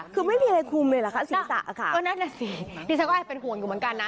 คือไม่มีอะไรคุมเลยเหรอคะศีรษะค่ะก็นั่นแหละสิดิฉันก็แอบเป็นห่วงอยู่เหมือนกันนะ